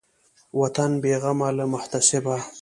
وطن بېغمه له محتسبه